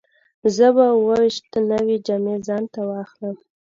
زه اووه ویشت نوې جامې ځان ته واخلم.